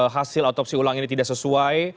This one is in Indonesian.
hasil otopsi ulang ini tidak sesuai